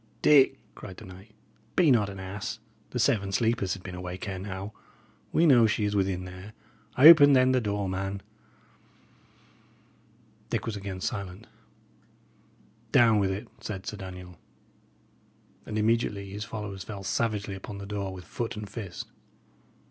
"Dick," cried the knight, "be not an ass. The Seven Sleepers had been awake ere now. We know she is within there. Open, then, the door, man." Dick was again silent. "Down with it," said Sir Daniel. And immediately his followers fell savagely upon the door with foot and fist.